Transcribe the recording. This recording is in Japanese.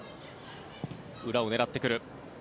裏を狙ってくる。